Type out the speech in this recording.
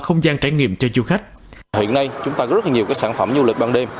không gian trải nghiệm cho du khách hiện nay chúng ta có rất là nhiều sản phẩm du lịch ban đêm